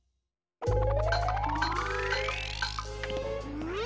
うん。